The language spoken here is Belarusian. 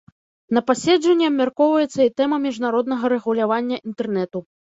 На паседжанні абмяркоўваецца і тэма міжнароднага рэгулявання інтэрнэту.